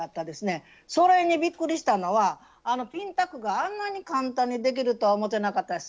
それにびっくりしたのはピンタックがあんなに簡単にできるとは思ってなかったです。